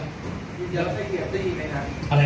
มีเยอะให้เฮียตี้ไหมครับ